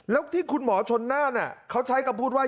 แล้วที่คุณหมอชนน่านเขาใช้คำพูดว่า